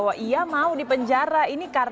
jatian epa jayante